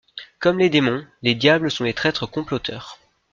Comme les démons, les diables sont des traîtres comploteurs.